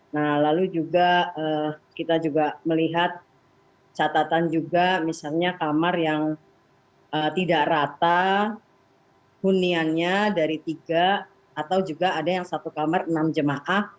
nah lalu juga kita juga melihat catatan juga misalnya kamar yang tidak rata huniannya dari tiga atau juga ada yang satu kamar enam jemaah